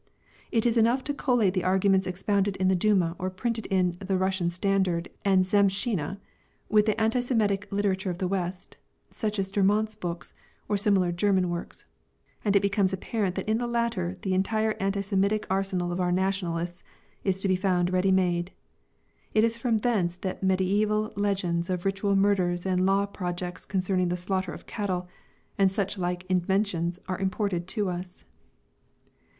It is enough to collate the arguments expounded in the Duma or printed in the Russian Standard and Zemshchina with the anti Semitic literature of the West, such as Drumont's books, or similar German works, and it becomes apparent that in the latter the entire anti Semitic arsenal of our nationalists is to be found ready made. It is from thence that mediæval legends of ritual murders and law projects concerning the slaughter of cattle, and such like inventions, are imported to us.